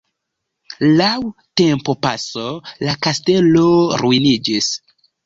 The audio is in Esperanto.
Laŭ tempopaso la kastelo ruiniĝis.